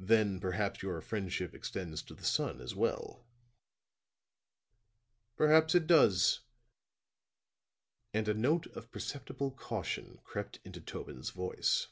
"Then perhaps your friendship extends to the son as well." "Perhaps it does," and a note of perceptible caution crept into Tobin's voice.